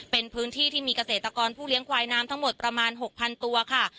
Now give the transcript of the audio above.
เป็นพื้นที่ที่มีเกษตรกรผู้เลี้ยงควายน้ำทั้งหมดประมาณ๖๐๐๐ตัวค่ะ